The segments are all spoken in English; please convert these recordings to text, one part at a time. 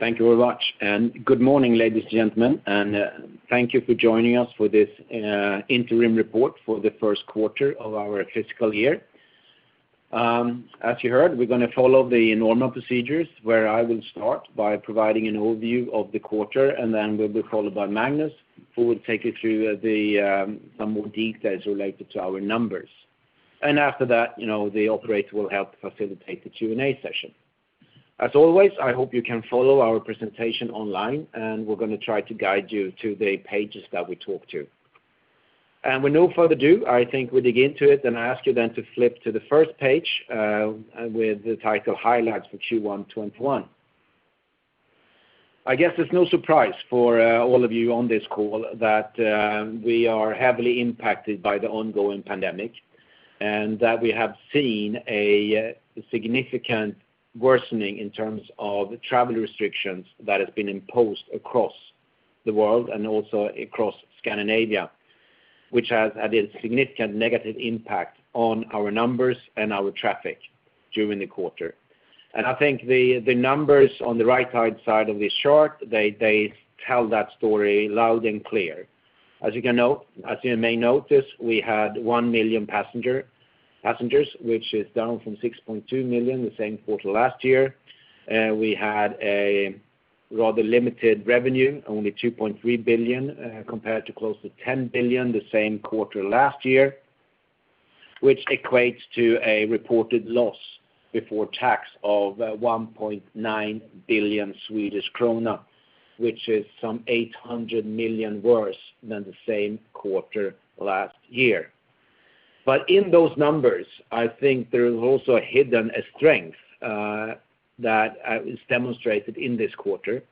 Thank you very much. Good morning, ladies and gentlemen, and thank you for joining us for this interim report for the first quarter of our fiscal year. As you heard, we're going to follow the normal procedures where I will start by providing an overview of the quarter, and then will be followed by Magnus, who will take you through some more details related to our numbers. After that, the operator will help facilitate the Q&A session. As always, I hope you can follow our presentation online, and we're going to try to guide you to the pages that we talk to. With no further ado, I think we'll dig into it, and I ask you then to flip to the first page with the title Highlights for Q1 2021. I guess it's no surprise for all of you on this call that we are heavily impacted by the ongoing pandemic, that we have seen a significant worsening in terms of travel restrictions that has been imposed across the world and also across Scandinavia, which has had a significant negative impact on our numbers and our traffic during the quarter. I think the numbers on the right-hand side of this chart, they tell that story loud and clear. As you may notice, we had 1 million passengers, which is down from 6.2 million the same quarter last year. We had a rather limited revenue, only 2.3 billion, compared to close to 10 billion the same quarter last year, which equates to a reported loss before tax of 1.9 billion Swedish krona, which is some 800 million worse than the same quarter last year. In those numbers, I think there is also a hidden strength that is demonstrated in this quarter,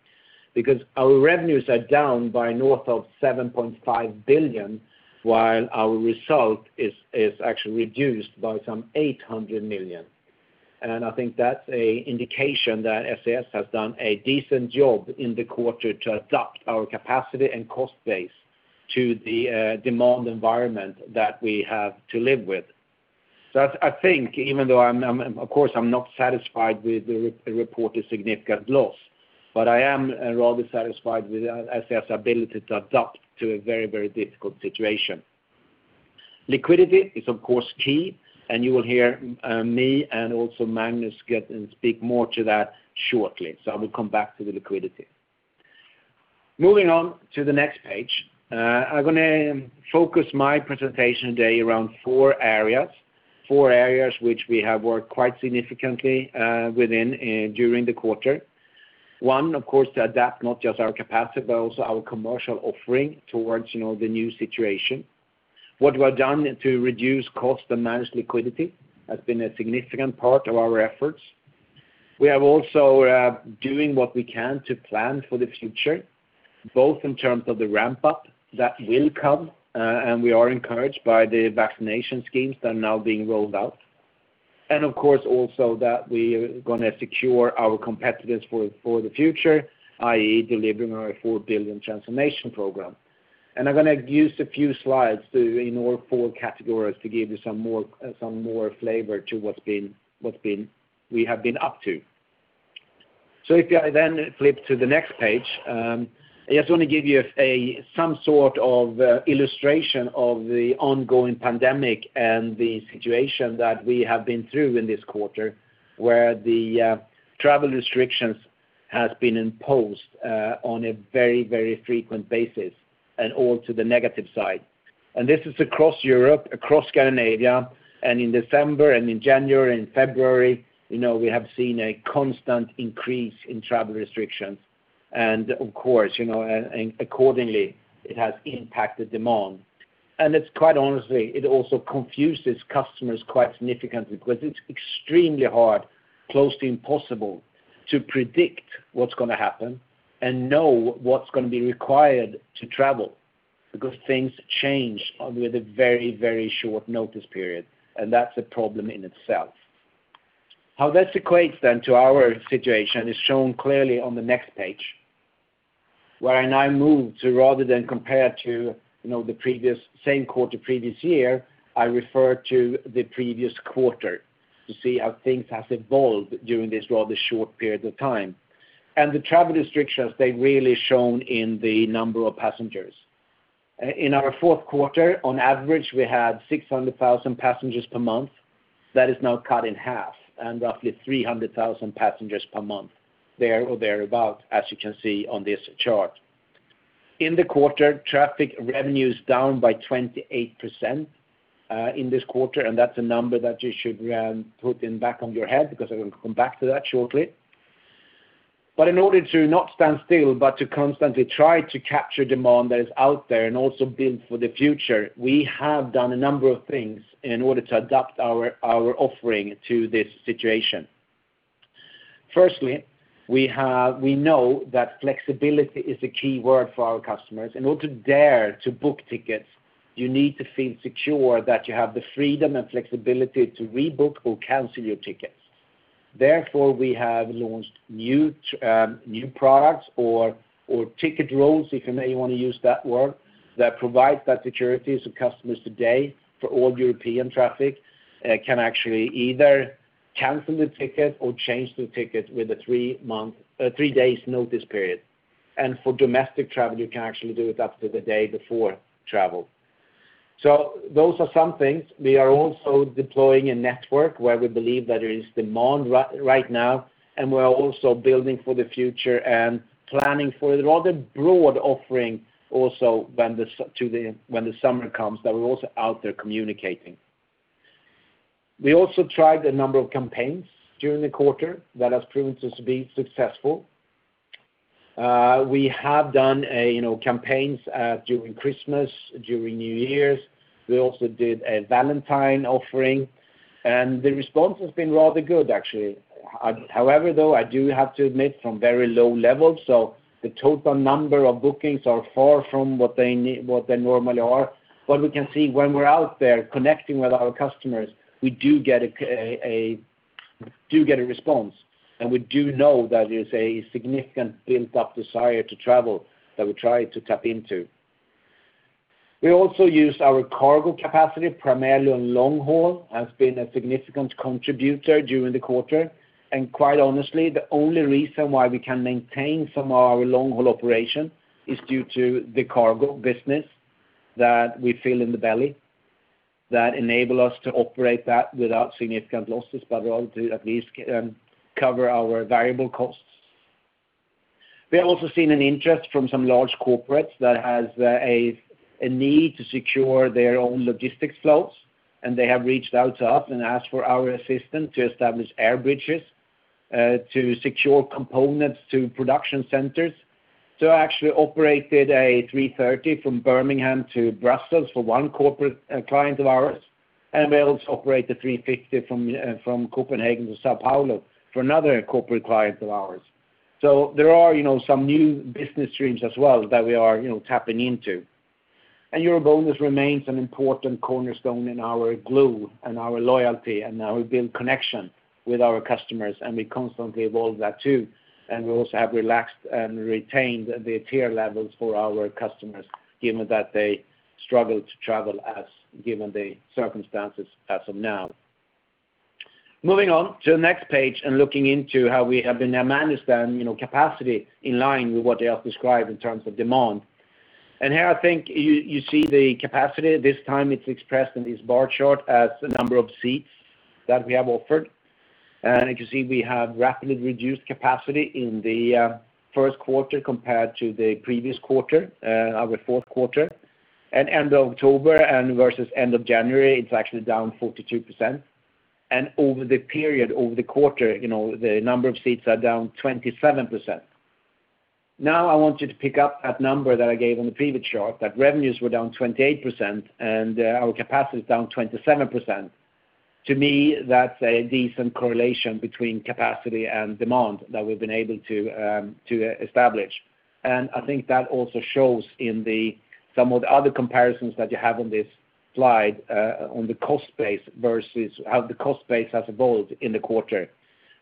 because our revenues are down by north of 7.5 billion, while our result is actually reduced by some 800 million. I think that's an indication that SAS has done a decent job in the quarter to adapt our capacity and cost base to the demand environment that we have to live with. I think, even though, of course, I'm not satisfied with the reported significant loss, but I am rather satisfied with SAS' ability to adapt to a very difficult situation. Liquidity is, of course, key, and you will hear me and also Magnus speak more to that shortly. I will come back to the liquidity. Moving on to the next page. I'm going to focus my presentation today around four areas. Four areas which we have worked quite significantly within during the quarter. One, of course, to adapt not just our capacity, but also our commercial offering towards the new situation. What we have done to reduce cost and manage liquidity has been a significant part of our efforts. We are also doing what we can to plan for the future, both in terms of the ramp-up that will come, and we are encouraged by the vaccination schemes that are now being rolled out. Of course, also that we are going to secure our competitiveness for the future, i.e. delivering our 4 billion transformation program. I'm going to use a few slides in all four categories to give you some more flavor to what we have been up to. If I flip to the next page, I just want to give you some sort of illustration of the ongoing pandemic and the situation that we have been through in this quarter, where the travel restrictions has been imposed on a very frequent basis and all to the negative side. This is across Europe, across Scandinavia, and in December and in January and February, we have seen a constant increase in travel restrictions. Of course, accordingly, it has impacted demand. Quite honestly, it also confuses customers quite significantly because it's extremely hard, close to impossible, to predict what's going to happen and know what's going to be required to travel because things change with a very short notice period, and that's a problem in itself. How this equates then to our situation is shown clearly on the next page, where I now move to, rather than compare to the same quarter previous year, I refer to the previous quarter to see how things have evolved during this rather short period of time. The travel restrictions, they've really shown in the number of passengers. In our fourth quarter, on average, we had 600,000 passengers per month. That is now cut in half and roughly 300,000 passengers per month, there or thereabout, as you can see on this chart. In the quarter, traffic revenue is down by 28% in this quarter, and that's a number that you should put in back of your head because I will come back to that shortly. In order to not stand still, but to constantly try to capture demand that is out there and also build for the future, we have done a number of things in order to adapt our offering to this situation. Firstly, we know that flexibility is a key word for our customers. In order to dare to book tickets, you need to feel secure that you have the freedom and flexibility to rebook or cancel your tickets. Therefore, we have launched new products or ticket rules, if you want to use that word, that provide that security to customers today for all European traffic, can actually either cancel the ticket or change the ticket with a three days notice period. For domestic travel, you can actually do it up to the day before travel. Those are some things. We are also deploying a network where we believe that there is demand right now. We're also building for the future and planning for a rather broad offering also when the summer comes that we're also out there communicating. We also tried a number of campaigns during the quarter that has proven to be successful. We have done campaigns during Christmas, during New Year's. We also did a Valentine offering. The response has been rather good, actually. However, though, I do have to admit from very low levels. The total number of bookings are far from what they normally are. We can see when we're out there connecting with our customers, we do get a response. We do know that it's a significant built-up desire to travel that we try to tap into. We also use our cargo capacity, primarily on long haul, has been a significant contributor during the quarter. Quite honestly, the only reason why we can maintain some of our long-haul operation is due to the cargo business that we fill in the belly that enable us to operate that without significant losses, but rather to at least cover our variable costs. We have also seen an interest from some large corporates that has a need to secure their own logistics flows, and they have reached out to us and asked for our assistance to establish air bridges to secure components to production centers. Actually operated an A330 from Birmingham to Brussels for one corporate client of ours, and we also operate the A350 from Copenhagen to São Paulo for another corporate client of ours. There are some new business streams as well that we are tapping into. EuroBonus remains an important cornerstone in our glue and our loyalty, and we build connection with our customers, and we constantly evolve that too. We also have relaxed and retained the tier levels for our customers, given that they struggle to travel as given the circumstances as of now. Moving on to the next page and looking into how we have been, and Magnus then, capacity in line with what I have described in terms of demand. Here I think you see the capacity. This time it's expressed in this bar chart as the number of seats that we have offered. You can see we have rapidly reduced capacity in the first quarter compared to the previous quarter, our fourth quarter. At end of October and versus end of January, it's actually down 42%. Over the period, over the quarter, the number of seats are down 27%. Now, I want you to pick up that number that I gave on the previous chart, that revenues were down 28% and our capacity is down 27%. To me, that's a decent correlation between capacity and demand that we've been able to establish. I think that also shows in some of the other comparisons that you have on this slide on the cost base versus how the cost base has evolved in the quarter,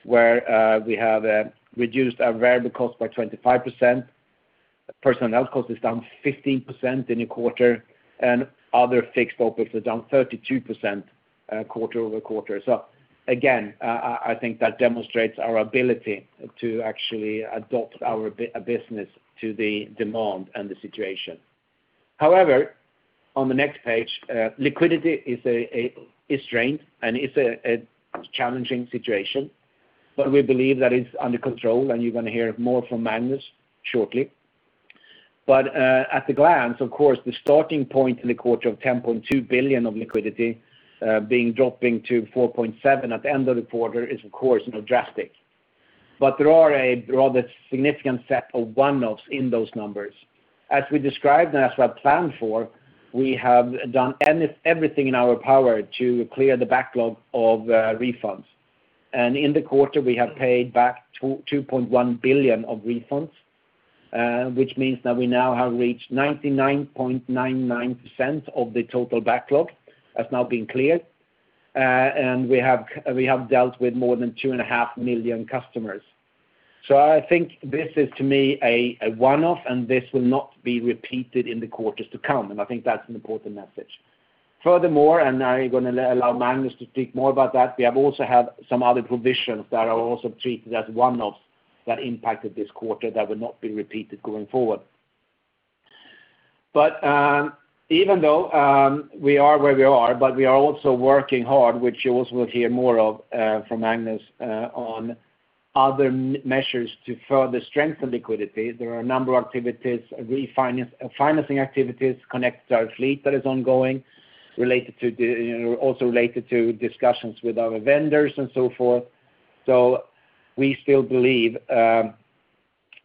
where we have reduced our variable cost by 25%. Personnel cost is down 15% in a quarter, and other fixed OPEX is down 32% quarter-over-quarter. Again, I think that demonstrates our ability to actually adopt our business to the demand and the situation. On the next page, liquidity is strained, and it's a challenging situation. We believe that it's under control, and you're going to hear more from Magnus shortly. At a glance, of course, the starting point in the quarter of 10.2 billion of liquidity dropping to 4.7 billion at the end of the quarter is, of course, drastic. There are a rather significant set of one-offs in those numbers. As we described and as we have planned for, we have done everything in our power to clear the backlog of refunds. In the quarter, we have paid back 2.1 billion of refunds, which means that we now have reached 99.99% of the total backlog has now been cleared. We have dealt with more than two and a half million customers. I think this is, to me, a one-off, and this will not be repeated in the quarters to come, and I think that's an important message. Furthermore, now I'm going to allow Magnus to speak more about that, we have also had some other provisions that are also treated as one-offs that impacted this quarter that will not be repeated going forward. Even though we are where we are, but we are also working hard, which you also will hear more of from Magnus on other measures to further strengthen liquidity. There are a number of activities, financing activities connected to our fleet that is ongoing, also related to discussions with our vendors and so forth. We still believe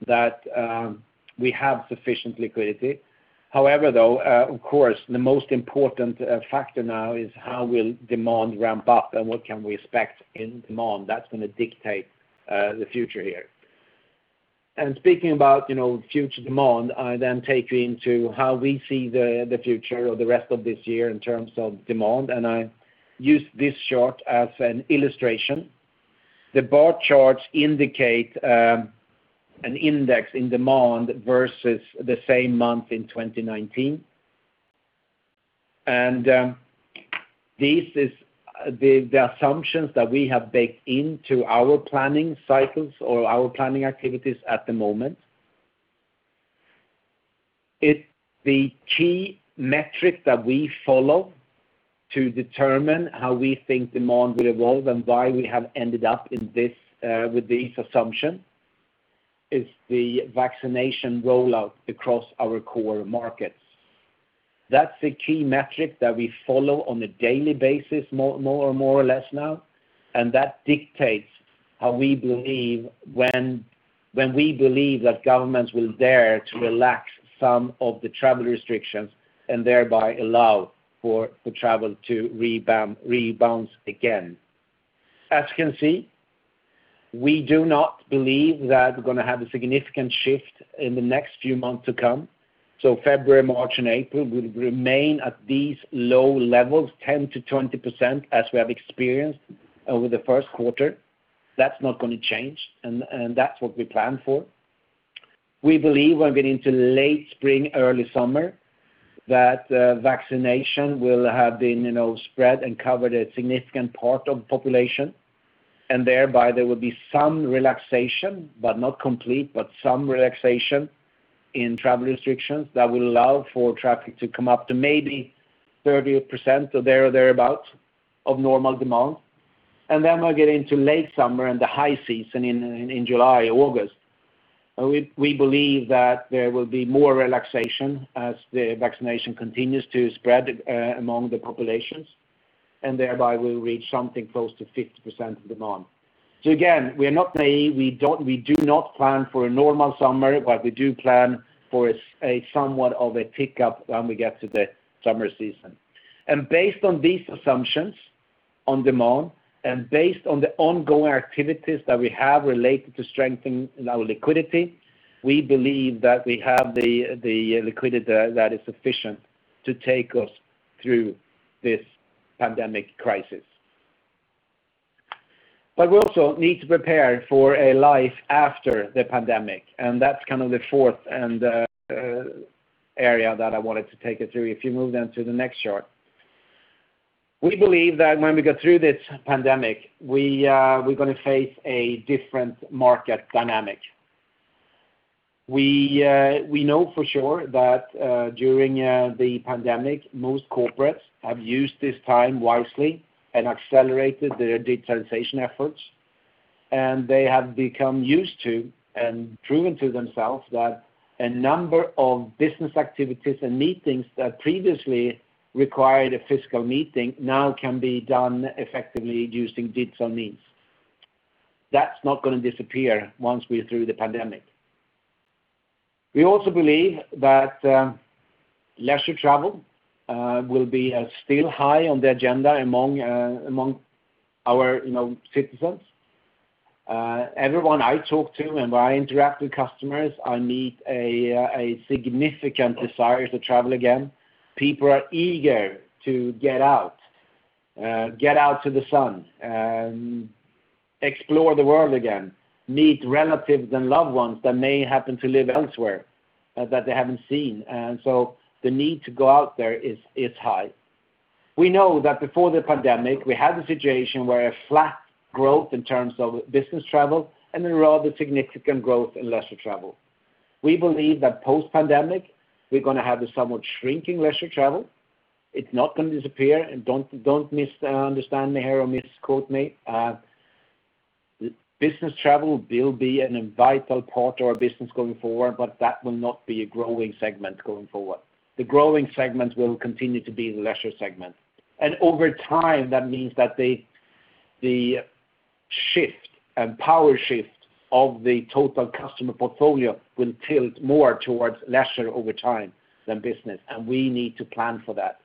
that we have sufficient liquidity. However, though, of course, the most important factor now is how will demand ramp up and what can we expect in demand. That's going to dictate the future here. Speaking about future demand, I then take you into how we see the future or the rest of this year in terms of demand, and I use this chart as an illustration. The bar charts indicate an index in demand versus the same month in 2019. These are the assumptions that we have baked into our planning cycles or our planning activities at the moment. The key metric that we follow to determine how we think demand will evolve and why we have ended up with these assumptions is the vaccination rollout across our core markets. That's the key metric that we follow on a daily basis, more or less now, and that dictates when we believe that governments will dare to relax some of the travel restrictions, and thereby allow for travel to rebound again. As you can see, we do not believe that we're going to have a significant shift in the next few months to come. February, March, and April will remain at these low levels, 10%-20%, as we have experienced over the first quarter. That's not going to change, and that's what we plan for. We believe when we get into late spring, early summer, that vaccination will have been spread and covered a significant part of the population, and thereby there will be some relaxation, but not complete, but some relaxation in travel restrictions that will allow for traffic to come up to maybe 30% or thereabout of normal demand. We'll get into late summer and the high season in July, August. We believe that there will be more relaxation as the vaccination continues to spread among the populations, and thereby we'll reach something close to 50% of demand. Again, we are not naive. We do not plan for a normal summer, but we do plan for somewhat of a pickup when we get to the summer season. Based on these assumptions on demand, and based on the ongoing activities that we have related to strengthening our liquidity, we believe that we have the liquidity that is sufficient to take us through this pandemic crisis. We also need to prepare for a life after the pandemic, and that's the fourth area that I wanted to take you through. If you move to the next chart. We believe that when we get through this pandemic, we're going to face a different market dynamic. We know for sure that during the pandemic, most corporates have used this time wisely and accelerated their digitalization efforts, and they have become used to and proven to themselves that a number of business activities and meetings that previously required a physical meeting now can be done effectively using digital means. That's not going to disappear once we're through the pandemic. We also believe that leisure travel will be still high on the agenda among our citizens. Everyone I talk to and when I interact with customers, I meet a significant desire to travel again. People are eager to get out to the sun, explore the world again, meet relatives and loved ones that may happen to live elsewhere that they haven't seen. The need to go out there is high. We know that before the pandemic, we had a situation where a flat growth in terms of business travel and a rather significant growth in leisure travel. We believe that post-pandemic, we're going to have a somewhat shrinking leisure travel. It's not going to disappear, and don't misunderstand me here or misquote me. Business travel will be a vital part of our business going forward, but that will not be a growing segment going forward. The growing segment will continue to be the leisure segment. Over time, that means that the shift and power shift of the total customer portfolio will tilt more towards leisure over time than business, and we need to plan for that.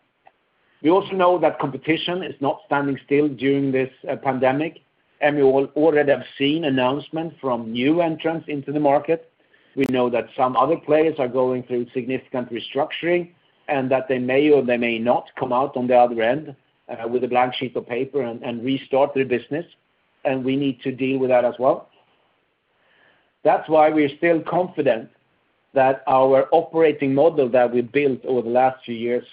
We also know that competition is not standing still during this pandemic, and we already have seen announcements from new entrants into the market. We know that some other players are going through significant restructuring and that they may or they may not come out on the other end with a blank sheet of paper and restart their business, and we need to deal with that as well. That's why we're still confident that our operating model that we've built over the last few years,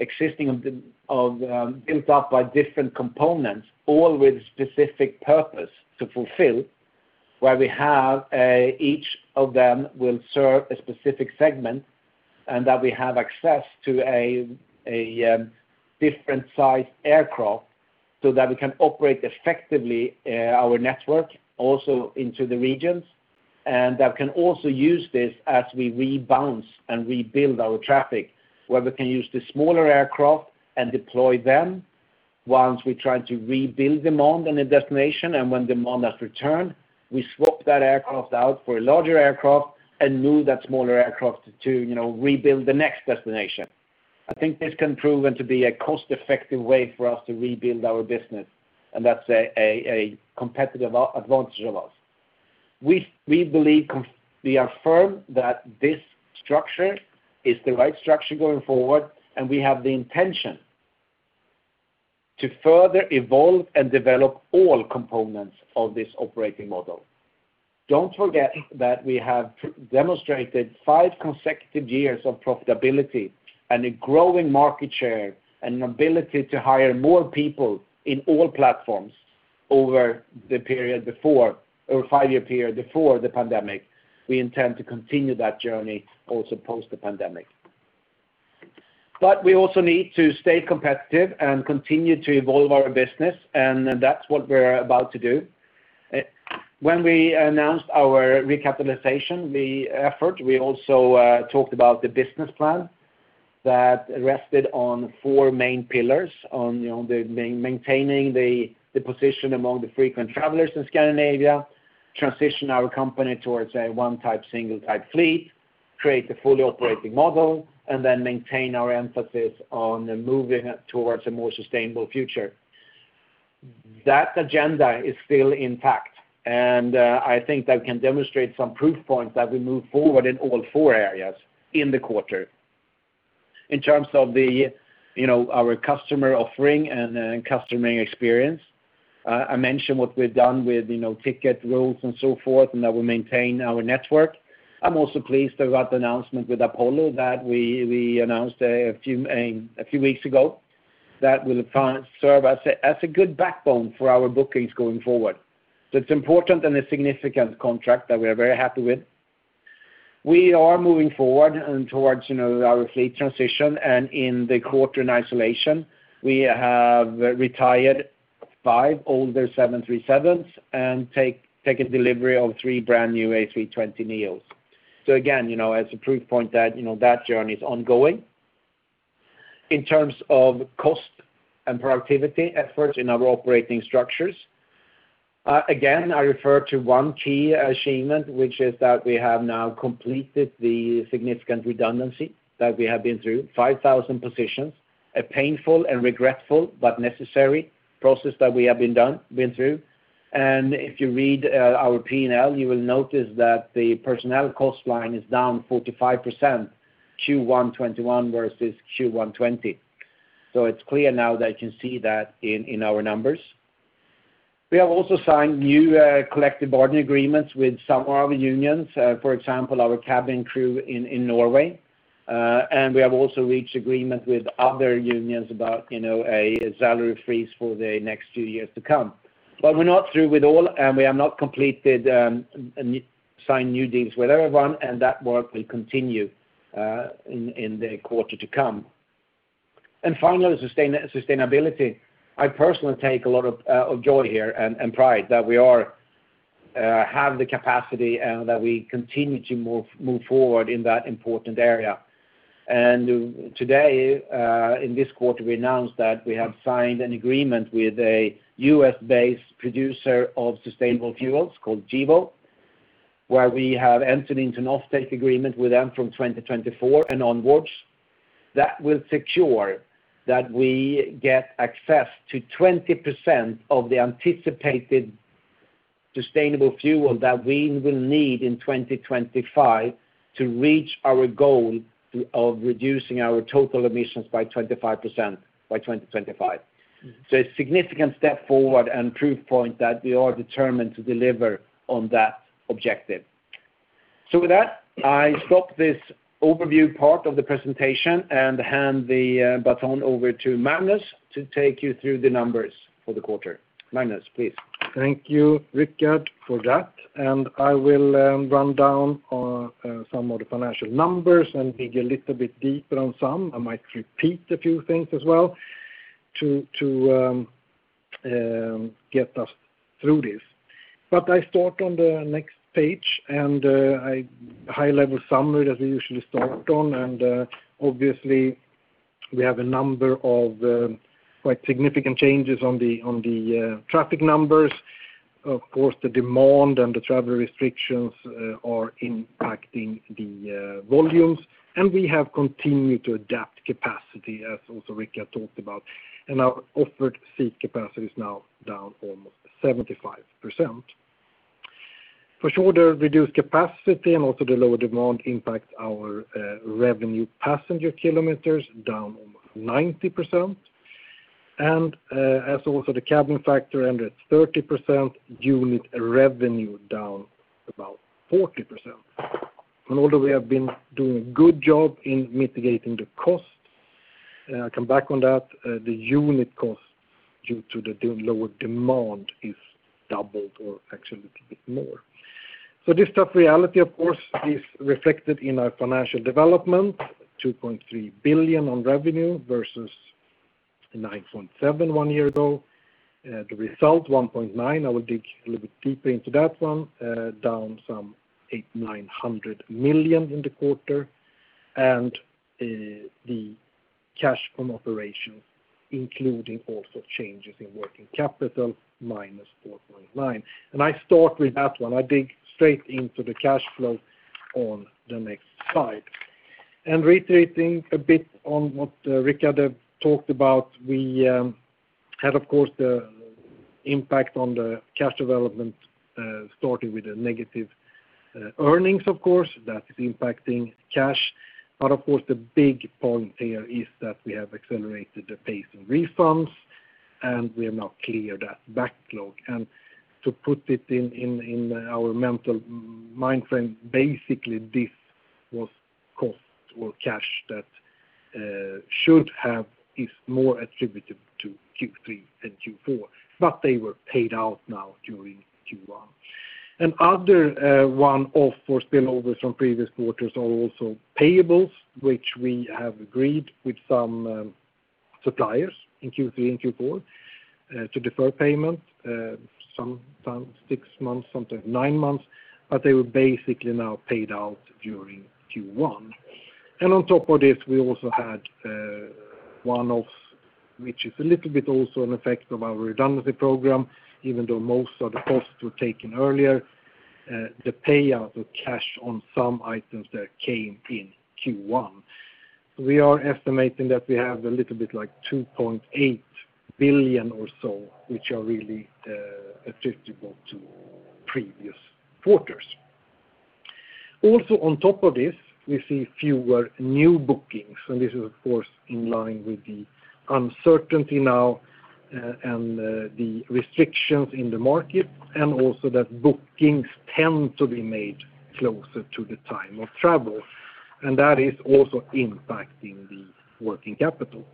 existing and built up by different components, all with a specific purpose to fulfill, where each of them will serve a specific segment, and that we have access to different size aircraft so that we can operate effectively our network also into the regions. That we can also use this as we rebound and rebuild our traffic, where we can use the smaller aircraft and deploy them once we try to rebuild demand in a destination, and when demand has returned, we swap that aircraft out for a larger aircraft and move that smaller aircraft to rebuild the next destination. I think this can prove to be a cost-effective way for us to rebuild our business, and that's a competitive advantage of ours. We are firm that this structure is the right structure going forward, and we have the intention to further evolve and develop all components of this operating model. Don't forget that we have demonstrated five consecutive years of profitability and a growing market share and an ability to hire more people in all platforms over the five-year period before the pandemic. We intend to continue that journey also post the pandemic. We also need to stay competitive and continue to evolve our business, and that's what we're about to do. When we announced our recapitalization effort, we also talked about the business plan that rested on four main pillars. On maintaining the position among the frequent travelers in Scandinavia, transition our company towards a one type, single type fleet, create the fully operating model, and then maintain our emphasis on moving towards a more sustainable future. That agenda is still intact, and I think that we can demonstrate some proof points that we moved forward in all four areas in the quarter. In terms of our customer offering and customer experience, I mentioned what we've done with ticket rules and so forth, and that we maintain our network. I'm also pleased about the announcement with Apollo that we announced a few weeks ago that will serve as a good backbone for our bookings going forward. It's important and a significant contract that we are very happy with. We are moving forward and towards our fleet transition and in the quarter in isolation, we have retired five older 737s and taken delivery of three brand new A320neos. Again, as a proof point that journey is ongoing. In terms of cost and productivity efforts in our operating structures, again, I refer to one key achievement, which is that we have now completed the significant redundancy that we have been through 5,000 positions. A painful and regretful but necessary process that we have been through. If you read our P&L, you will notice that the personnel cost line is down 45% Q1 2021 versus Q1 2020. It's clear now that you can see that in our numbers. We have also signed new collective bargaining agreements with some of our unions, for example, our cabin crew in Norway. We have also reached agreement with other unions about a salary freeze for the next few years to come. We're not through with all, and we have not completed signed new deals with everyone, and that work will continue in the quarter to come. Finally, sustainability. I personally take a lot of joy here and pride that we have the capacity and that we continue to move forward in that important area. Today, in this quarter, we announced that we have signed an agreement with a U.S.-based producer of sustainable fuels called Gevo, where we have entered into an off-take agreement with them from 2024 and onwards. That will secure that we get access to 20% of the anticipated sustainable fuel that we will need in 2025 to reach our goal of reducing our total emissions by 25% by 2025. A significant step forward and proof point that we are determined to deliver on that objective. With that, I stop this overview part of the presentation and hand the baton over to Magnus to take you through the numbers for the quarter. Magnus, please. Thank you, Rickard, for that. I will run down some of the financial numbers and dig a little bit deeper on some. I might repeat a few things as well to get us through this. I start on the next page and a high-level summary that we usually start on. Obviously we have a number of quite significant changes on the traffic numbers. Of course, the demand and the travel restrictions are impacting the volumes, and we have continued to adapt capacity, as also Rickard talked about. Our offered seat capacity is now down almost 75%. For sure, the reduced capacity and also the lower demand impacts our revenue passenger kilometers down almost 90%. As also the cabin factor under 30%, unit revenue down about 40%. Although we have been doing a good job in mitigating the cost, I come back on that, the unit cost due to the lower demand is doubled or actually a little bit more. This tough reality of course is reflected in our financial development, 2.3 billion on revenue versus 9.7 billion one year ago. The result, 1.9 billion. I will dig a little bit deeper into that one. Down some 800 million-900 million in the quarter. The cash from operations, including also changes in working capital, -4.9 billion. I start with that one. I dig straight into the cash flow on the next slide. Reiterating a bit on what Rickard talked about, we had of course the impact on the cash development started with the negative earnings, of course, that is impacting cash. Of course, the big point there is that we have accelerated the pace of refunds, and we have now cleared that backlog. To put it in our mental mind frame, basically this was cost or cash that should have been more attributed to Q3 than Q4, but they were paid out now during Q1. Other one-offs for spillovers from previous quarters are also payables, which we have agreed with some suppliers in Q3 and Q4 to defer payment, sometimes six months, sometimes nine months, but they were basically now paid out during Q1. On top of this, we also had one-offs, which is a little bit also an effect of our redundancy program, even though most of the costs were taken earlier, the payout of cash on some items there came in Q1. We are estimating that we have a little bit like 2.8 billion or so, which are really attributable to previous quarters. Also on top of this, we see fewer new bookings, and this is of course in line with the uncertainty now and the restrictions in the market, and also that bookings tend to be made closer to the time of travel. That is also impacting the working capital.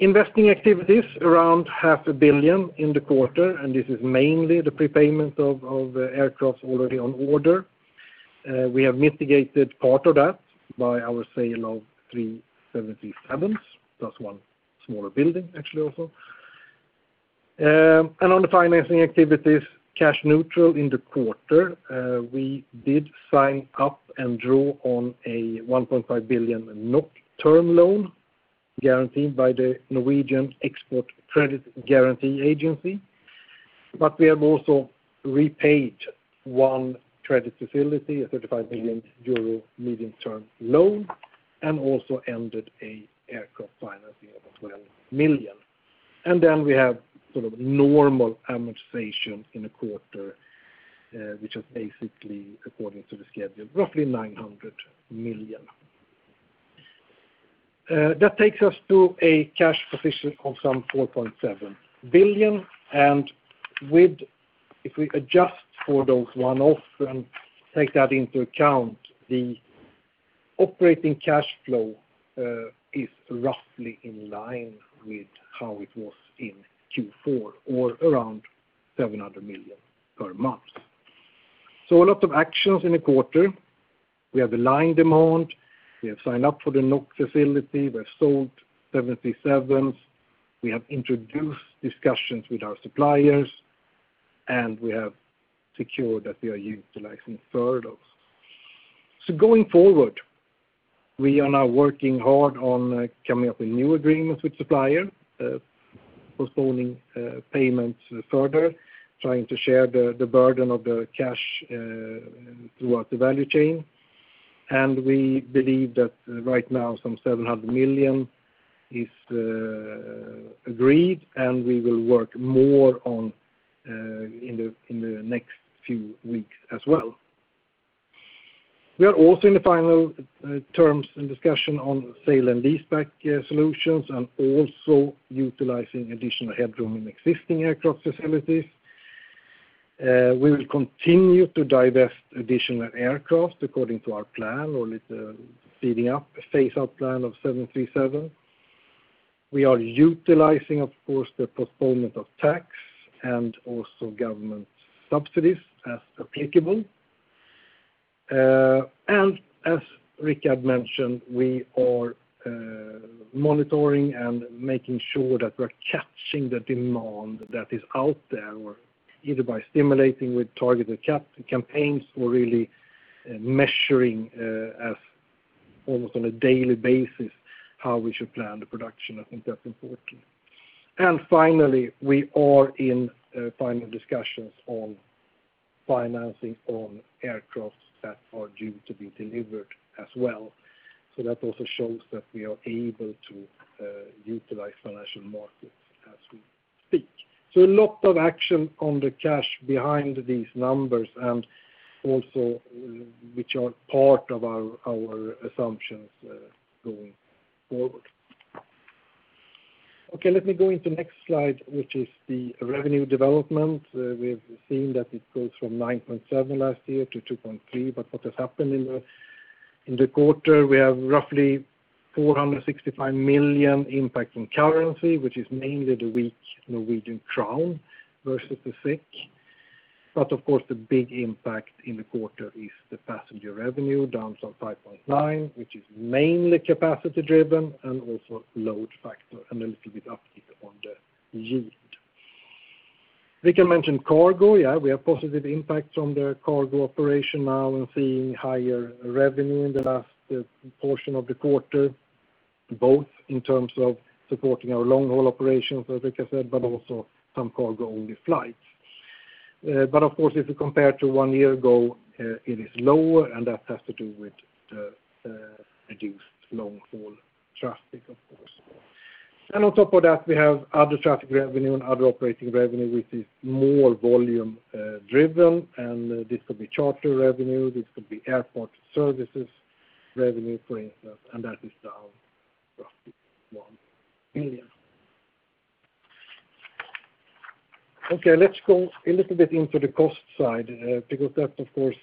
Investing activities, around 500 million in the quarter, and this is mainly the prepayment of aircraft already on order. We have mitigated part of that by our sale of three 737s, plus one smaller building actually also. On the financing activities, cash neutral in the quarter. We did sign up and draw on a 1.5 billion NOK term loan guaranteed by the Norwegian Export Credit Guarantee Agency. We have also repaid one credit facility, a 35 million euro medium-term loan, and also ended a aircraft financing of 12 million. We have normal amortization in the quarter, which is basically according to the schedule, roughly 900 million. That takes us to a cash position of some 4.7 billion, and if we adjust for those one-offs and take that into account, the operating cash flow is roughly in line with how it was in Q4, or around 700 million per month. A lot of actions in the quarter. We have aligned demand. We have signed up for the NOK facility. We have sold 737s. We have introduced discussions with our suppliers, and we have secured that we are utilizing furloughs. Going forward, we are now working hard on coming up with new agreements with suppliers, postponing payments further, trying to share the burden of the cash throughout the value chain. We believe that right now some 700 million is agreed, and we will work more in the next few weeks as well. We are also in the final terms and discussion on sale and leaseback solutions and also utilizing additional headroom in existing aircraft facilities. We will continue to divest additional aircraft according to our plan or the phase-out plan of 737. We are utilizing, of course, the postponement of tax and also government subsidies as applicable. As Rickard mentioned, we are monitoring and making sure that we're catching the demand that is out there, either by stimulating with targeted campaigns or really measuring almost on a daily basis how we should plan the production. I think that's important. Finally, we are in final discussions on financing on aircraft that are due to be delivered as well. That also shows that we are able to utilize financial markets as we speak. A lot of action on the cash behind these numbers and also which are part of our assumptions going forward. Let me go into next slide, which is the revenue development. We've seen that it goes from 9.7 last year to 2.3. What has happened in the quarter? We have roughly 465 million impact in currency, which is mainly the weak Norwegian krone versus the SEK. Of course, the big impact in the quarter is the passenger revenue down some 5.9, which is mainly capacity driven and also load factor and a little bit uptick on the yield. Rickard mentioned cargo. We have positive impacts on the cargo operation now and seeing higher revenue in the last portion of the quarter, both in terms of supporting our long-haul operations, as Rickard said, but also some cargo-only flights. Of course, if you compare to one year ago, it is lower, and that has to do with the reduced long-haul traffic. On top of that, we have other traffic revenue and other operating revenue, which is more volume-driven, and this could be charter revenue, this could be airport services revenue, for instance, and that is down roughly 1 billion. Let's go a little bit into the cost side, because that's,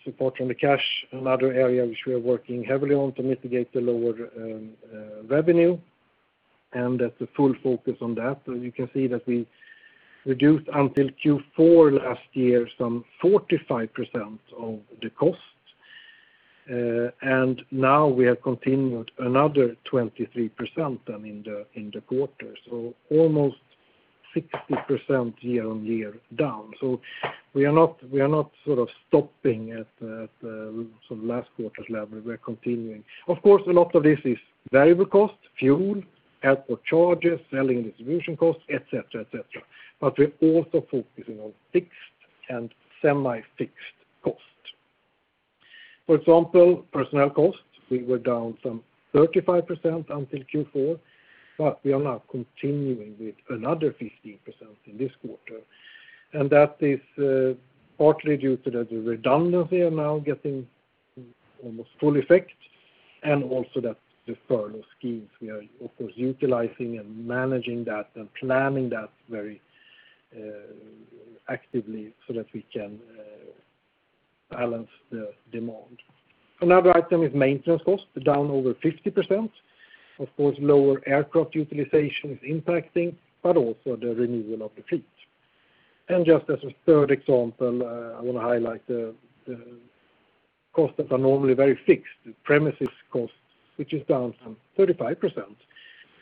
apart from the cash, another area which we are working heavily on to mitigate the lower revenue, and that's the full focus on that. You can see that we reduced until Q4 last year some 45% of the cost. Now we have continued another 23% then in the quarter. Almost 60% year-on-year down. We are not stopping at last quarter's level. We're continuing. Of course, a lot of this is variable cost, fuel, airport charges, selling and distribution costs, et cetera. We're also focusing on fixed and semi-fixed cost. For example, personnel costs, we were down some 35% until Q4, but we are now continuing with another 15% in this quarter. That is partly due to the redundancy are now getting almost full effect, and also that the furlough schemes we are of course utilizing and managing that and planning that very actively so that we can balance the demand. Another item is maintenance cost, down over 50%. Of course, lower aircraft utilization is impacting, but also the renewal of the fleet. Just as a third example, I want to highlight the costs that are normally very fixed, the premises costs, which is down some 35%.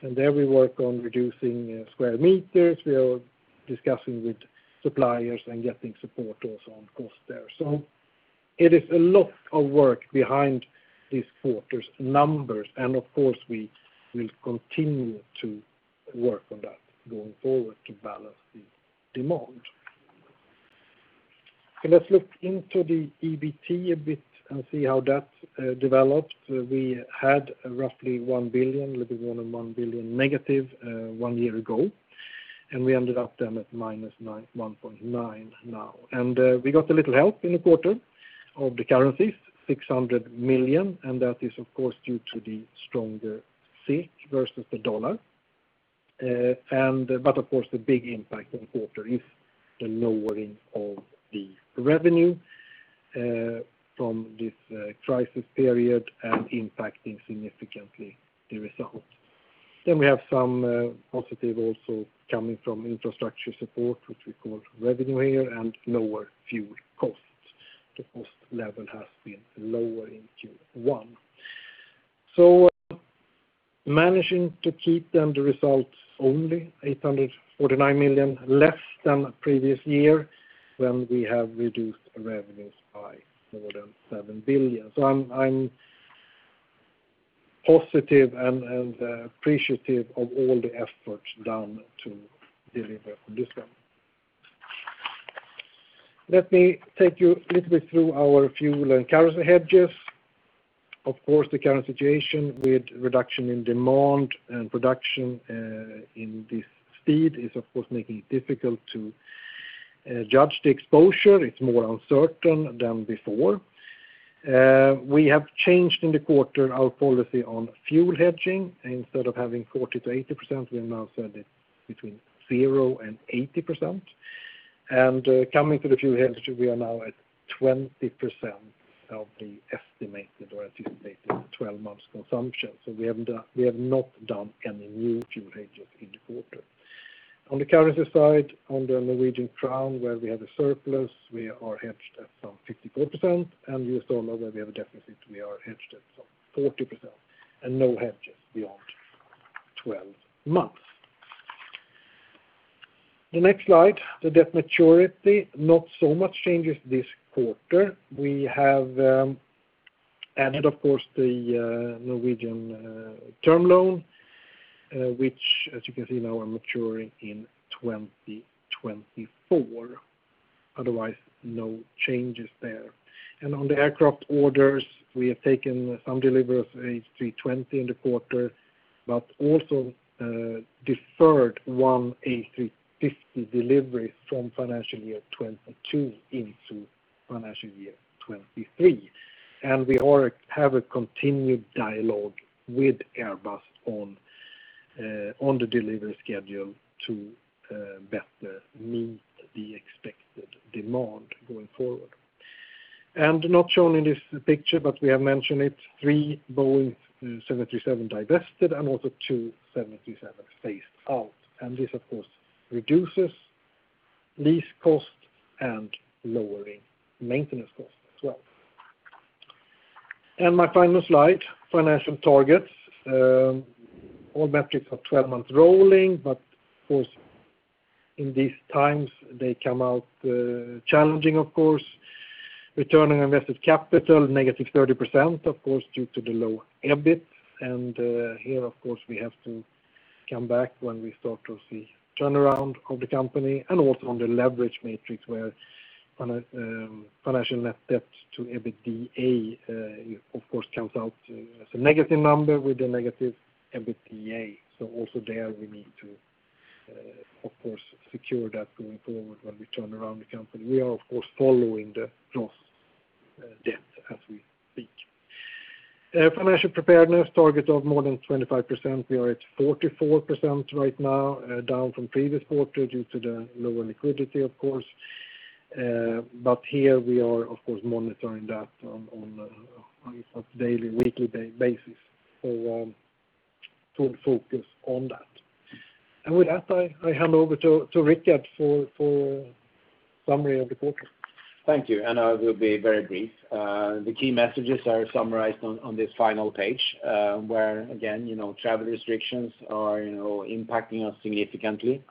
There we work on reducing square meters. We are discussing with suppliers and getting support also on cost there. It is a lot of work behind this quarter's numbers. Of course, we will continue to work on that going forward to balance the demand. Let's look into the EBT a bit and see how that developed. We had roughly 1 billion, a little bit more than 1 billion- one year ago, and we ended up then at -1.9 billion now. We got a little help in the quarter of the currencies, 600 million, and that is of course due to the stronger SEK versus the U.S. dollar. Of course the big impact on the quarter is the lowering of the revenue from this crisis period and impacting significantly the result. We have some positive also coming from infrastructure support, which we call revenue here, and lower fuel costs. The cost level has been lower in Q1. Managing to keep them, the results only 849 million less than previous year, when we have reduced revenues by more than 7 billion. I'm positive and appreciative of all the efforts done to deliver this one. Let me take you a little bit through our fuel and currency hedges. Of course, the current situation with reduction in demand and production in this speed is of course making it difficult to judge the exposure. It's more uncertain than before. We have changed in the quarter our policy on fuel hedging. Instead of having 40%-80%, we have now said it between 0%-80%. Coming to the fuel hedge, we are now at 20% of the estimated or anticipated 12 months consumption. We have not done any new fuel hedges in the quarter. On the currency side, on the Norwegian krone, where we have a surplus, we are hedged at some 54%, and US dollar, where we have a deficit, we are hedged at some 40%, and no hedges beyond 12 months. The next slide, the debt maturity, not so much changes this quarter. We have added, of course, the Norwegian term loan which as you can see now are maturing in 2024. Otherwise, no changes there. On the aircraft orders, we have taken some deliveries of A320 in the quarter, but also deferred one A350 delivery from financial year 2022 into financial year 2023. We have a continued dialogue with Airbus on the delivery schedule to better meet the expected demand going forward. Not shown in this picture, but we have mentioned it, three Boeing 737 divested and also two 737 phased out. This of course reduces lease costs and lowering maintenance costs as well. My final slide, financial targets. All metrics are 12 months rolling, but of course in these times, they come out challenging. Return on invested capital -30%, of course, due to the low EBIT. Here, of course, we have to come back when we start to see turnaround of the company and also on the leverage metrics where financial net debt to EBITDA, of course, comes out as a negative number with a negative EBITDA. Also there we need to, of course, secure that going forward when we turn around the company. We are, of course, following the gross debt as we speak. Financial preparedness target of more than 25%. We are at 44% right now, down from previous quarter due to the lower liquidity, of course. Here we are, of course, monitoring that on a daily, weekly basis. Full focus on that. With that, I hand over to Rickard for summary of the quarter. Thank you. I will be very brief. The key messages are summarized on this final page, where again, travel restrictions are impacting us significantly,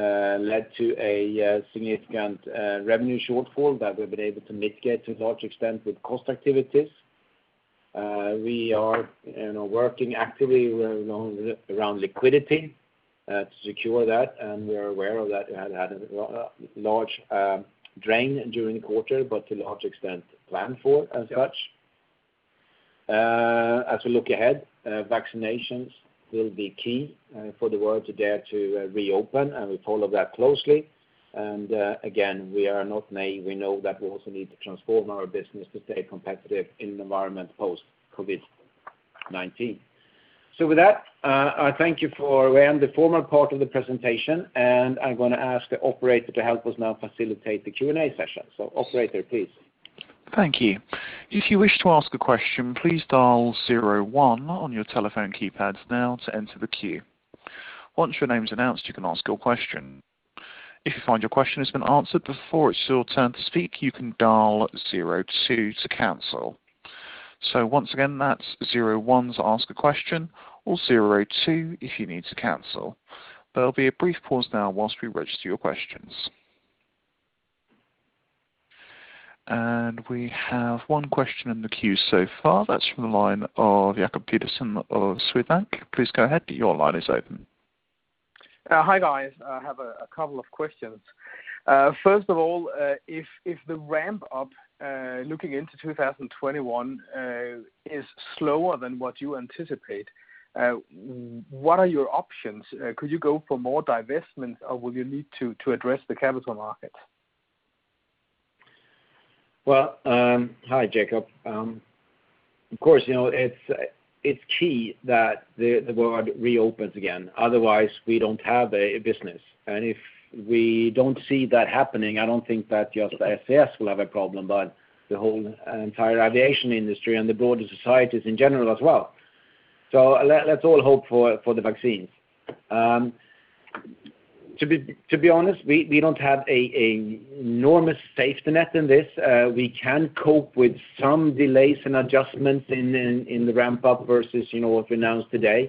led to a significant revenue shortfall that we've been able to mitigate to a large extent with cost activities. We are working actively around liquidity to secure that, and we are aware of that. We had a large drain during the quarter, but to a large extent planned for as such. As we look ahead, vaccinations will be key for the world to dare to reopen, and we follow that closely. Again, we are not naive. We know that we also need to transform our business to stay competitive in an environment post-COVID-19. With that, I thank you. We end the formal part of the presentation, and I'm going to ask the operator to help us now facilitate the Q&A session. Operator, please. Thank you. If you wish to ask a question, please dial zero one on your telephone keypad now to enter the queue. Once your name is announced, you can ask your question. If you find your question has been answered before it's your turn to speak, you can dial zero two to cancel. So once again, that's zero one to ask a question, or zero two if you need to cancel. There'll be a brief pause now whilst we register your questions. We have one question in the queue so far. That's from the line of Jacob Pedersen of Sydbank. Please go ahead. Your line is open. Hi, guys. I have a couple of questions. First of all, if the ramp-up looking into 2021 is slower than what you anticipate, what are your options? Could you go for more divestments, or will you need to address the capital markets? Well, hi, Jacob. Of course, it's key that the world reopens again. Otherwise we don't have a business. If we don't see that happening, I don't think that just SAS will have a problem, but the whole entire aviation industry and the broader societies in general as well. Let's all hope for the vaccines. To be honest, we don't have an enormous safety net in this. We can cope with some delays and adjustments in the ramp-up versus what we announced today.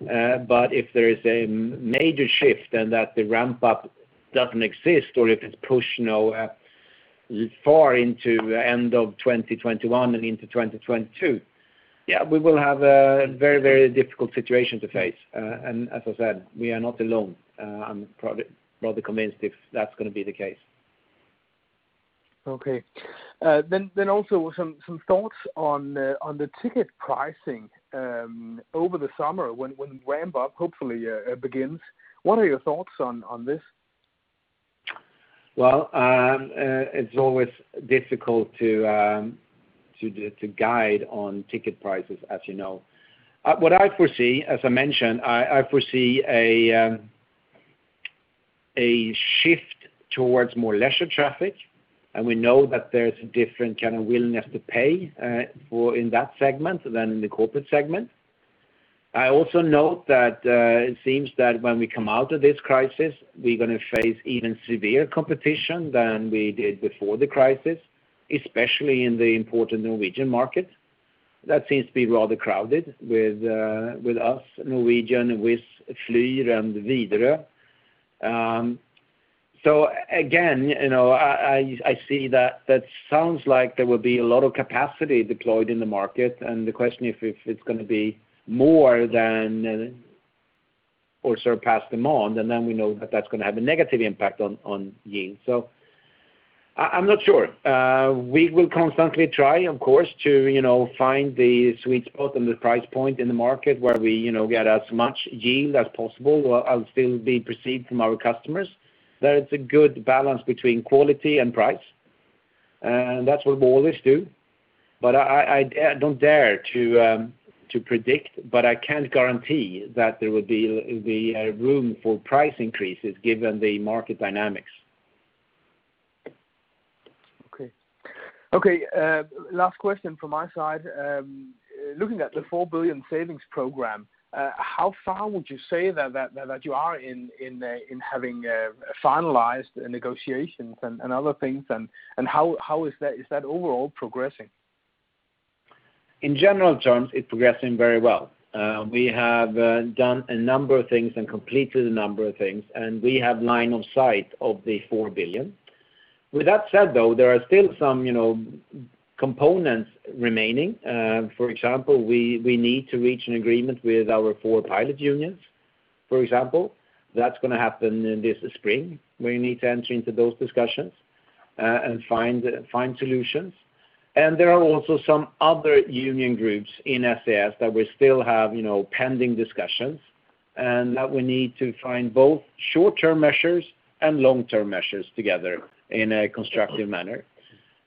If there is a major shift and that the ramp-up doesn't exist, or if it's pushed far into end of 2021 and into 2022, yeah, we will have a very difficult situation to face. As I said, we are not alone. I'm rather convinced if that's going to be the case. Okay. Also some thoughts on the ticket pricing over the summer when ramp-up hopefully begins. What are your thoughts on this? Well, it's always difficult to guide on ticket prices, as you know. What I foresee, as I mentioned, I foresee a shift towards more leisure traffic, and we know that there's a different kind of willingness to pay in that segment than in the corporate segment. I also note that it seems that when we come out of this crisis, we're going to face even severe competition than we did before the crisis, especially in the important Norwegian market. That seems to be rather crowded with us, Norwegian, with Flyr and Widerøe. Again, I see that sounds like there will be a lot of capacity deployed in the market, and the question if it's going to be more than or surpass demand, and then we know that that's going to have a negative impact on yield. I'm not sure. We will constantly try, of course, to find the sweet spot and the price point in the market where we get as much yield as possible while still being perceived from our customers that it's a good balance between quality and price. That's what we always do. I don't dare to predict, but I can't guarantee that there will be room for price increases given the market dynamics. Okay. Last question from my side. Looking at the 4 billion savings program, how far would you say that you are in having finalized negotiations and other things and how is that overall progressing? In general terms, it's progressing very well. We have done a number of things and completed a number of things, and we have line of sight of the 4 billion. With that said, though, there are still some components remaining. For example, we need to reach an agreement with our four pilot unions, for example. That's going to happen in this spring. We need to enter into those discussions and find solutions. There are also some other union groups in SAS that we still have pending discussions, and that we need to find both short-term measures and long-term measures together in a constructive manner.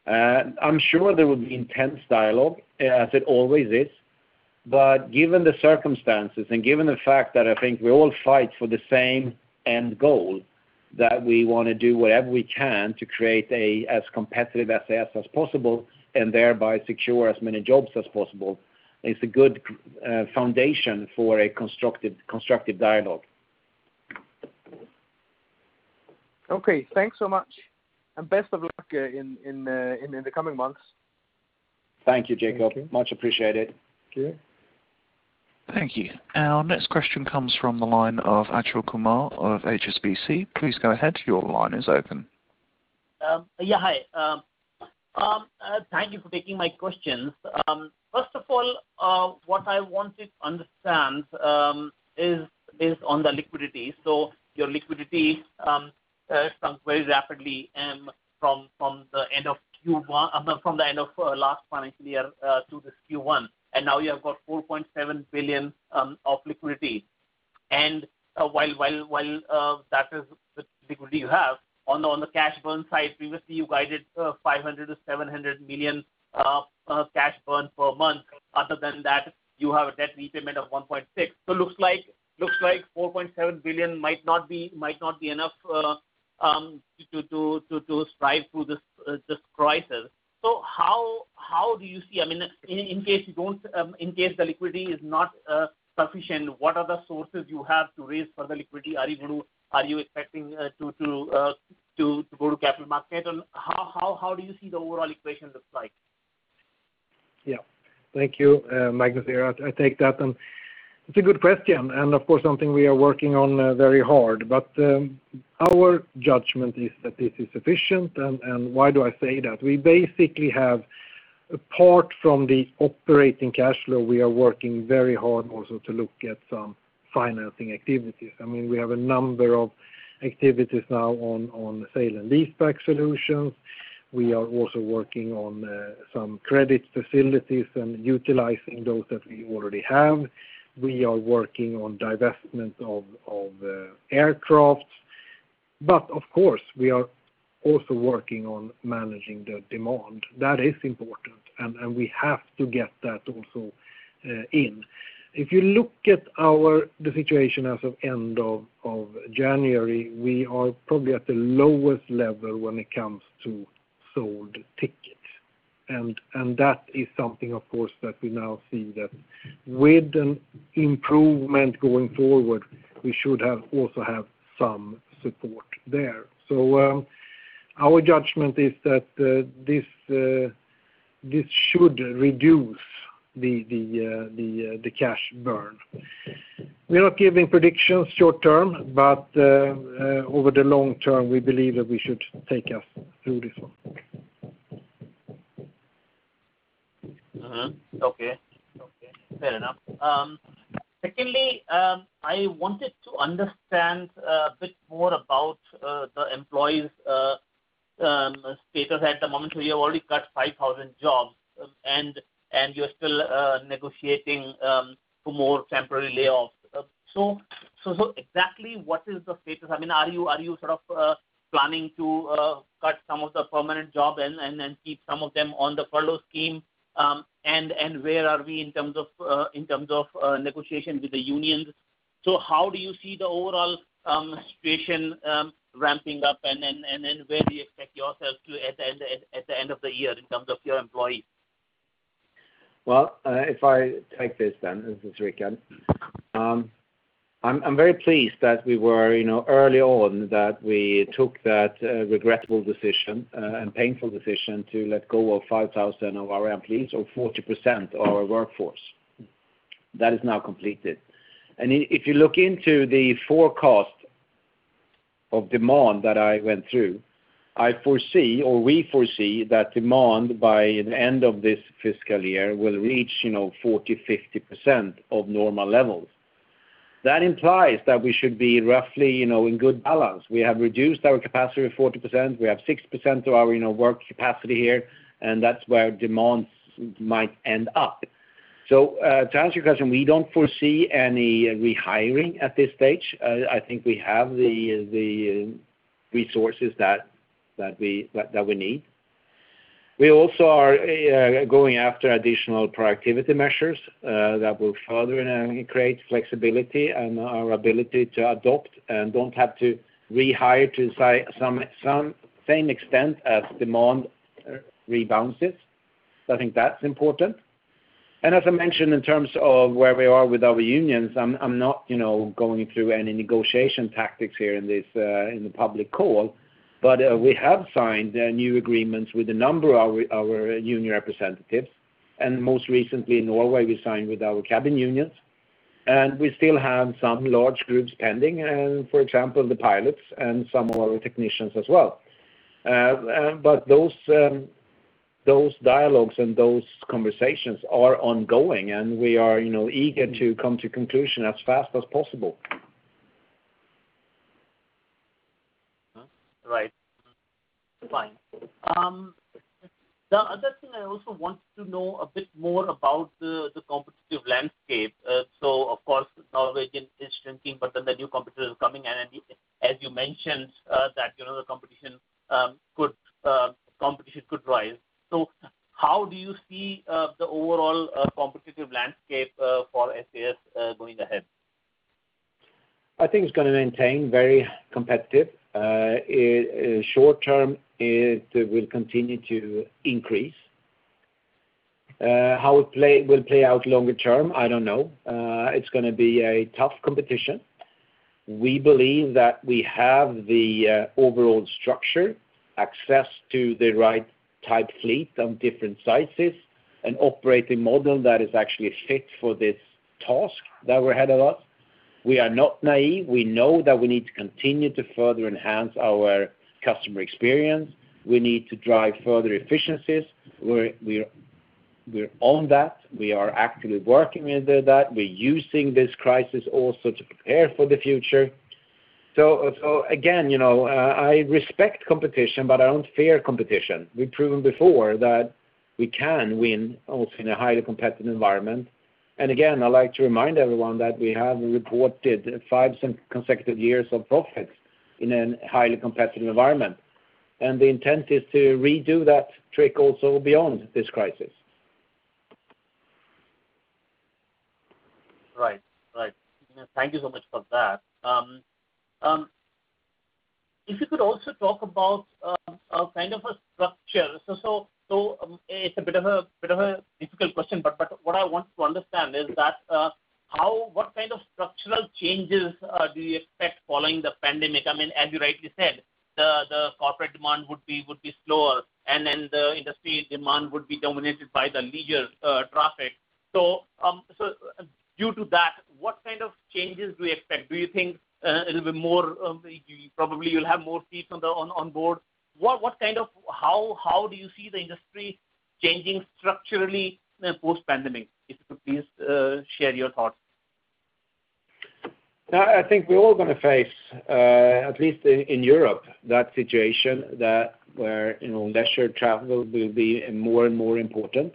I'm sure there will be intense dialogue, as it always is. Given the circumstances and given the fact that I think we all fight for the same end goal, that we want to do whatever we can to create as competitive SAS as possible and thereby secure as many jobs as possible is a good foundation for a constructive dialogue. Okay, thanks so much, and best of luck in the coming months. Thank you, Jacob. Thank you. Much appreciated. Okay. Thank you. Our next question comes from the line of Achal Kumar of HSBC. Please go ahead. Your line is open. Yeah. Hi. Thank you for taking my questions. First of all, what I wanted to understand is based on the liquidity. Your liquidity shrunk very rapidly from the end of last financial year to this Q1, and now you have got 4.7 billion of liquidity. While that is the liquidity you have, on the cash burn side, previously you guided 500 million to 700 million of cash burn per month. Other than that, you have a debt repayment of 1.6 billion. Looks like 4.7 billion might not be enough to strive through this crisis. How do you see, in case the liquidity is not sufficient, what are the sources you have to raise for the liquidity? Are you expecting to go to capital market? How do you see the overall equation looks like? Thank you. Magnus here. I take that, it's a good question, and of course, something we are working on very hard. Our judgment is that this is sufficient. Why do I say that? We basically have, apart from the operating cash flow, we are working very hard also to look at some financing activities. We have a number of activities now on sale and leaseback solutions. We are also working on some credit facilities and utilizing those that we already have. We are working on divestment of aircraft. Of course, we are also working on managing the demand. That is important, and we have to get that also in. If you look at the situation as of end of January, we are probably at the lowest level when it comes to sold tickets. That is something, of course, that we now see that with an improvement going forward, we should also have some support there. Our judgment is that this should reduce the cash burn. We are not giving predictions short term, but over the long term, we believe that we should take us through this one. Okay. Fair enough. Secondly, I wanted to understand a bit more about the employees' status at the moment. You have already cut 5,000 jobs, and you're still negotiating for more temporary layoffs. Exactly what is the status? Are you planning to cut some of the permanent job and then keep some of them on the furlough scheme? Where are we in terms of negotiation with the unions? How do you see the overall situation ramping up, and then where do you expect yourself to at the end of the year in terms of your employees? Well, if I take this then. This is Rickard. I'm very pleased that we were early on, that we took that regrettable decision and painful decision to let go of 5,000 of our employees or 40% of our workforce. That is now completed. If you look into the forecast of demand that I went through, I foresee, or we foresee that demand by the end of this fiscal year will reach 40, 50% of normal levels. That implies that we should be roughly in good balance. We have reduced our capacity 40%. We have 60% of our work capacity here, and that's where demand might end up. To answer your question, we don't foresee any rehiring at this stage. I think we have the resources that we need. We also are going after additional productivity measures that will further create flexibility and our ability to adopt and don't have to rehire to some same extent as demand rebound. I think that's important. As I mentioned in terms of where we are with our unions, I'm not going through any negotiation tactics here in the public call. We have signed new agreements with a number of our union representatives, and most recently in Norway, we signed with our cabin unions. We still have some large groups pending, for example, the pilots and some of our technicians as well. Those dialogues and those conversations are ongoing, and we are eager to come to conclusion as fast as possible. Right. Fine. The other thing I also wanted to know a bit more about the competitive landscape. Of course, Norwegian is shrinking, the new competitor is coming in. As you mentioned, that the competition could rise. How do you see the overall competitive landscape for SAS going ahead? I think it's going to maintain very competitive. Short term, it will continue to increase. How it will play out longer term, I don't know. It's going to be a tough competition. We believe that we have the overall structure, access to the right type fleet on different sizes and operating model that is actually fit for this task that we're ahead of us. We are not naive. We know that we need to continue to further enhance our customer experience. We need to drive further efficiencies. We're on that. We are actively working with that. We're using this crisis also to prepare for the future. Again, I respect competition, but I don't fear competition. We've proven before that we can win also in a highly competitive environment. Again, I like to remind everyone that we have reported five consecutive years of profits in a highly competitive environment. The intent is to redo that trick also beyond this crisis. Right. Thank you so much for that. If you could also talk about a kind of a structure. It's a bit of a difficult question, but what I want to understand is that what kind of structural changes do you expect following the pandemic? I mean, as you rightly said, the corporate demand would be slower, and then the industry demand would be dominated by the leisure traffic. Due to that, what kind of changes do you expect? Do you think it'll be more, probably you'll have more seats on board. How do you see the industry changing structurally post-pandemic? If you could please share your thoughts. I think we're all going to face, at least in Europe, that situation where leisure travel will be more and more important.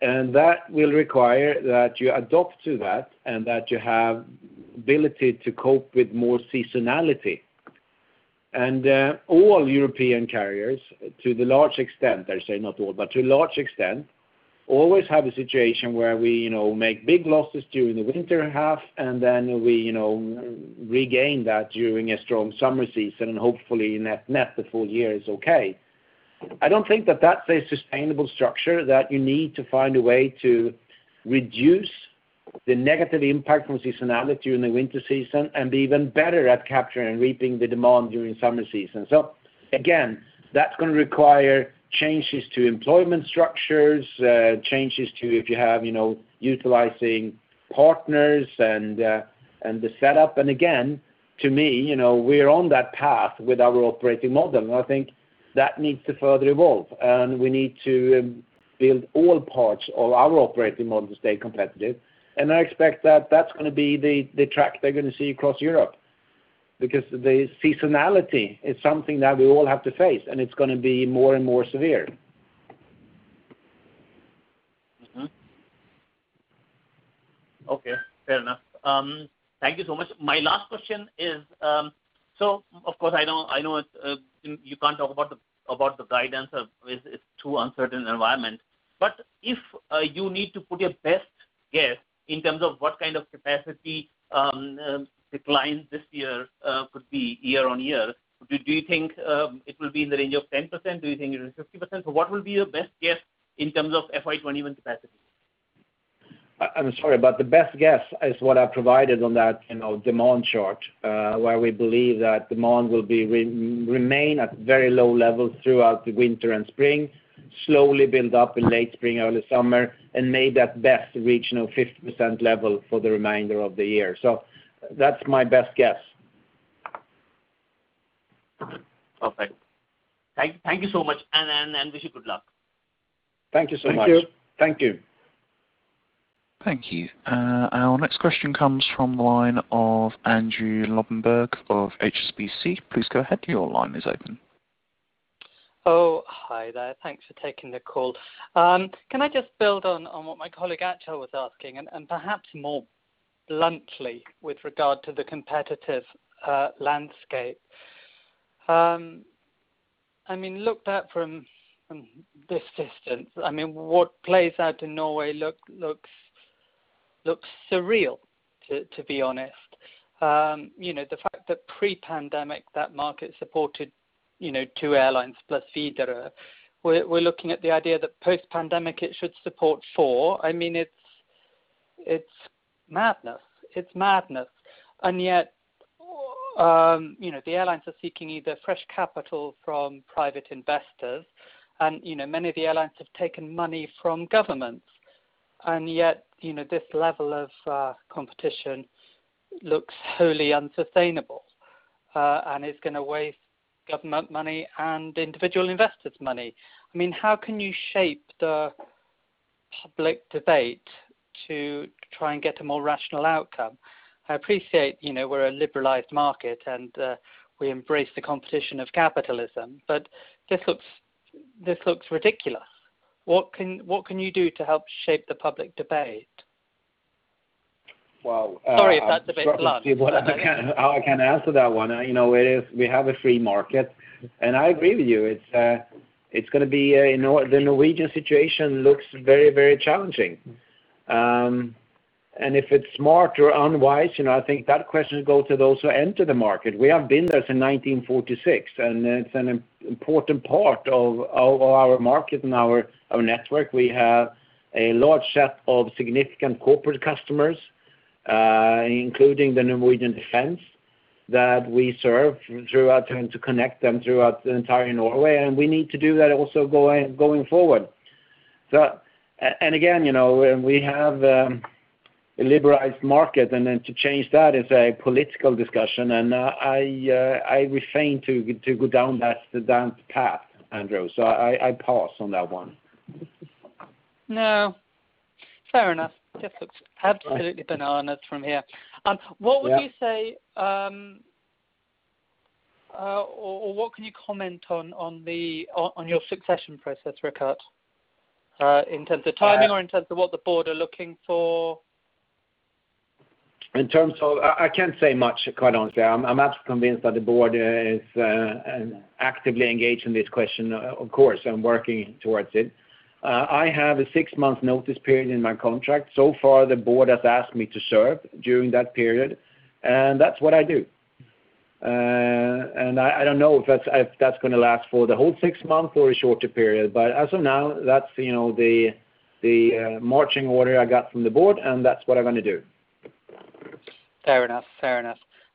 That will require that you adapt to that and that you have ability to cope with more seasonality. All European carriers, to the large extent, I say not all, but to a large extent, always have a situation where we make big losses during the winter half, and then we regain that during a strong summer season, and hopefully net the full year is okay. I don't think that that's a sustainable structure, that you need to find a way to reduce the negative impact from seasonality during the winter season and be even better at capturing and reaping the demand during summer season. Again, that's going to require changes to employment structures, changes to if you have utilizing partners and the setup. Again, to me, we're on that path with our operating model, and I think that needs to further evolve, and we need to build all parts of our operating model to stay competitive. I expect that that's going to be the track they're going to see across Europe because the seasonality is something that we all have to face, and it's going to be more and more severe. Okay, fair enough. Thank you so much. My last question is, of course I know you can't talk about the guidance, it's too uncertain environment, but if you need to put your best guess in terms of what kind of capacity declines this year could be year-over-year, do you think it will be in the range of 10%? Do you think it is 50%? What will be your best guess in terms of FY 2021 capacity? I'm sorry, the best guess is what I provided on that demand chart, where we believe that demand will remain at very low levels throughout the winter and spring, slowly build up in late spring, early summer, and may that best reach 50% level for the remainder of the year. That's my best guess. Okay. Thank you so much, and wish you good luck. Thank you so much. Thank you. Thank you. Our next question comes from the line of Andrew Lobbenberg of HSBC. Please go ahead. Your line is open. Oh, hi there. Thanks for taking the call. Can I just build on what my colleague Achal was asking, and perhaps more bluntly with regard to the competitive landscape. I mean, looked at from this distance, what plays out in Norway looks surreal to be honest. The fact that pre-pandemic, that market supported two airlines plus Widerøe. We're looking at the idea that post-pandemic it should support four. I mean, It's madness. Yet, the airlines are seeking either fresh capital from private investors, and many of the airlines have taken money from governments. Yet, this level of competition looks wholly unsustainable and is going to waste government money and individual investors' money. How can you shape the public debate to try and get a more rational outcome? I appreciate we're a liberalized market and we embrace the competition of capitalism, but this looks ridiculous. What can you do to help shape the public debate? Well- Sorry if that's a bit blunt. I'm struggling to see how I can answer that one. We have a free market, and I agree with you. The Norwegian situation looks very challenging. If it's smart or unwise, I think that question goes to those who enter the market. We have been there since 1946, and it's an important part of our market and our network. We have a large set of significant corporate customers, including the Norwegian Defense, that we serve to connect them throughout the entire Norway, and we need to do that also going forward. Again, we have a liberalized market, and then to change that is a political discussion, and I refrain to go down that path, Andrew. I pause on that one. No. Fair enough. Just looks absolutely bananas from here. Yeah. What would you say, or what can you comment on your succession process, Rickard? In terms of timing or in terms of what the board are looking for? I can't say much, quite honestly. I'm absolutely convinced that the board is actively engaged in this question, of course, and working towards it. I have a six-month notice period in my contract. Far, the board has asked me to serve during that period, and that's what I do. I don't know if that's going to last for the whole six months or a shorter period, but as of now, that's the marching order I got from the board, and that's what I'm going to do. Fair enough.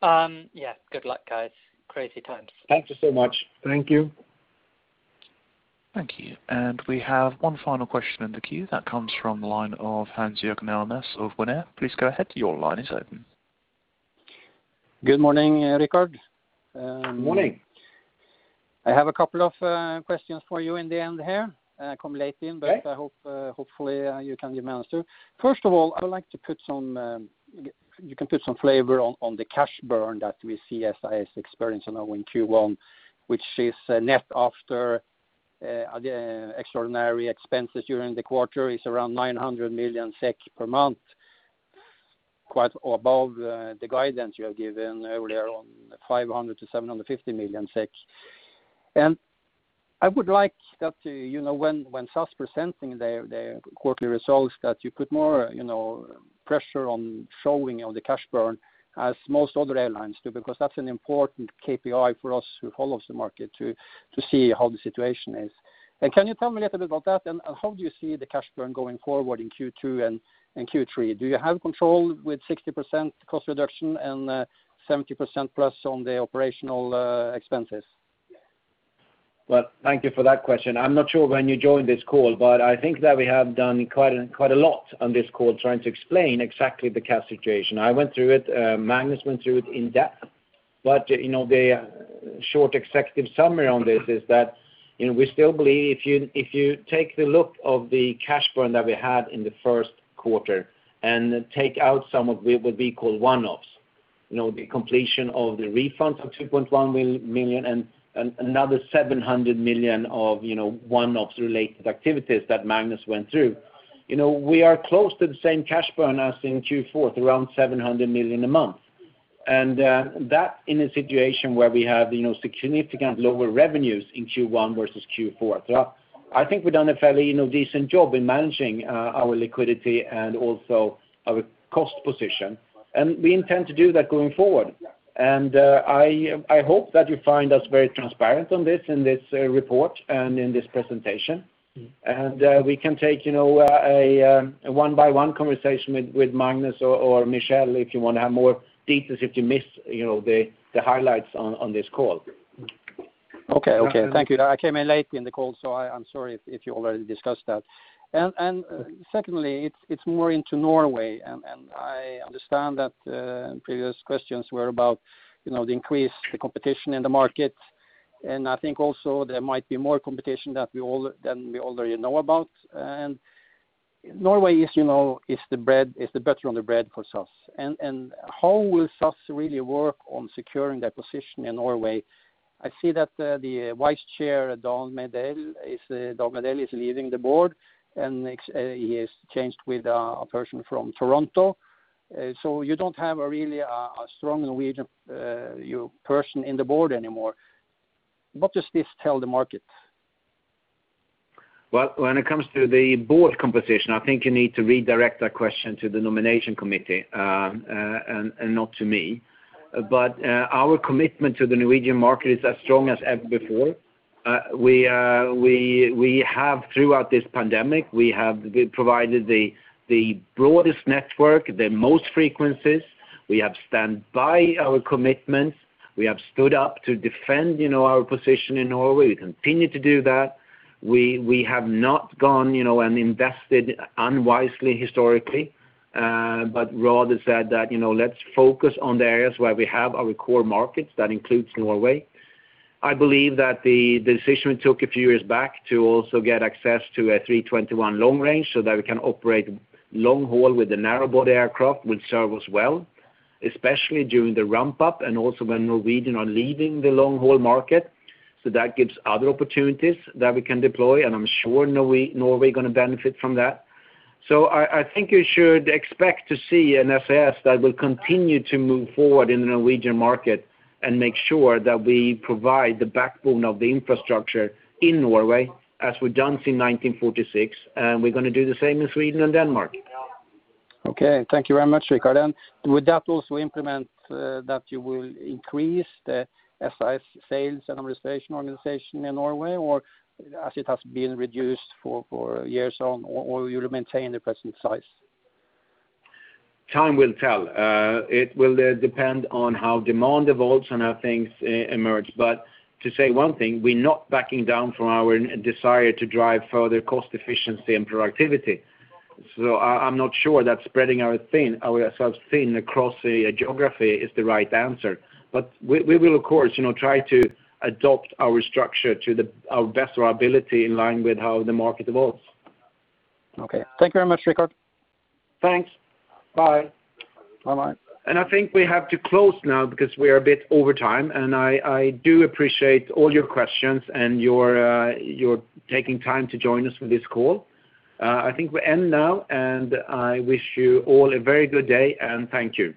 Yeah. Good luck, guys. Crazy times. Thank you so much. Thank you. Thank you. We have one final question in the queue that comes from the line of Hans Jørgen Elnæs of Winair AS. Please go ahead. Your line is open. Good morning, Rickard. Morning. I have a couple of questions for you in the end here. Okay Hopefully you can answer. First of all, you can put some flavor on the cash burn that we see SAS experienced now in Q1, which is net after the extraordinary expenses during the quarter is around 900 million SEK per month, quite above the guidance you have given earlier on 500 million-750 million SEK. I would like that when SAS presenting their quarterly results that you put more pressure on showing on the cash burn as most other airlines do, because that's an important KPI for us who follows the market to see how the situation is. Can you tell me a little bit about that, and how do you see the cash burn going forward in Q2 and Q3? Do you have control with 60% cost reduction and 70%+ on the operational expenses? Well, thank you for that question. I'm not sure when you joined this call, but I think that we have done quite a lot on this call trying to explain exactly the cash situation. I went through it, Magnus went through it in depth. The short executive summary on this is that we still believe if you take the look of the cash burn that we had in the first quarter and take out some of what we call one-offs, the completion of the refunds of 2.1 million and another 700 million of one-offs related activities that Magnus went through. We are close to the same cash burn as in Q4, around 700 million a month. That in a situation where we have significant lower revenues in Q1 versus Q4. I think we’ve done a fairly decent job in managing our liquidity and also our cost position, and we intend to do that going forward. I hope that you find us very transparent on this in this report and in this presentation. We can take a one-by-one conversation with Magnus or Michel if you want to have more details if you missed the highlights on this call. Okay. Thank you. I came in late in the call, so I'm sorry if you already discussed that. Secondly, it's more into Norway, and I understand that previous questions were about the increased competition in the market. I think also there might be more competition than we already know about. Norway is the butter on the bread for SAS. How will SAS really work on securing that position in Norway? I see that the Vice Chairman, Dag Mejdell, is leaving the board, and he has changed with a person from Toronto. You don't have a really a strong Norwegian person in the board anymore. What does this tell the market? Well, when it comes to the board composition, I think you need to redirect that question to the nomination committee and not to me. Our commitment to the Norwegian market is as strong as ever before. Throughout this pandemic, we have provided the broadest network, the most frequencies. We have stood by our commitments. We have stood up to defend our position in Norway. We continue to do that. We have not gone and invested unwisely historically, but rather said that let's focus on the areas where we have our core markets. That includes Norway. I believe that the decision we took a few years back to also get access to A321 long range so that we can operate long haul with the narrow-body aircraft will serve us well, especially during the ramp-up and also when Norwegian are leaving the long-haul market. That gives other opportunities that we can deploy, and I'm sure Norway is going to benefit from that. I think you should expect to see an SAS that will continue to move forward in the Norwegian market and make sure that we provide the backbone of the infrastructure in Norway as we've done since 1946, and we're going to do the same in Sweden and Denmark. Okay. Thank you very much, Rickard. Would that also implement that you will increase the SAS sales and administration organization in Norway, or as it has been reduced for years on, or you'll maintain the present size? Time will tell. It will depend on how demand evolves and how things emerge. To say one thing, we're not backing down from our desire to drive further cost efficiency and productivity. I'm not sure that spreading ourselves thin across the geography is the right answer. We will, of course, try to adopt our structure to the best of our ability in line with how the market evolves. Okay. Thank you very much, Rickard. Thanks. Bye. Bye-bye. I think we have to close now because we are a bit over time, and I do appreciate all your questions and your taking time to join us for this call. I think we end now, and I wish you all a very good day, and thank you.